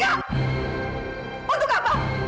enggak untuk apa